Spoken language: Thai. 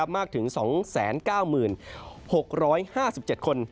มากถึง๒๙๖๕๗คน